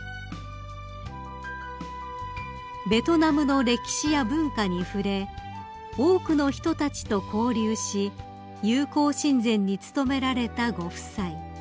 ［ベトナムの歴史や文化に触れ多くの人たちと交流し友好親善に努められたご夫妻］